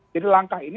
jadi langkah ini